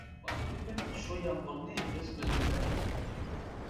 مانا بۈگۈن شۇ يامغۇرنى ئۆز كۆزۈم بىلەن كۆردۈم.